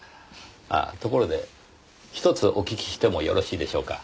ああところでひとつお聞きしてもよろしいでしょうか？